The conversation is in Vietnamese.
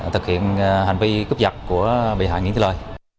thực hiện hành vi cướp giật của bị hại nguyễn thế lợi